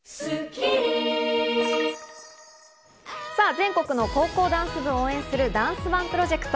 全国の高校ダンス部を応援するダンスＯＮＥプロジェクト。